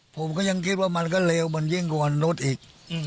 ผมก็ยังคิดว่ามันก็เลวมันยิ่งกว่านุษย์อีก